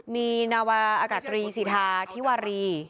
มีนาวาอากาศตรีสิทธาธิวารี